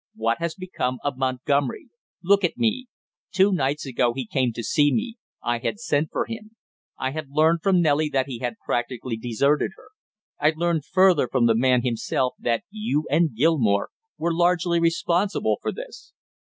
What has become of Montgomery? Look at me! Two nights ago he came to see me; I had sent for him; I had learned from Nellie that he had practically deserted her. I learned further from the man himself that you and Gilmore were largely responsible for this."